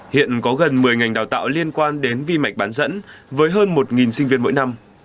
hiện có gần một mươi ngành đào tạo liên quan đến vi mạch bán dẫn với hơn một sinh viên mỗi năm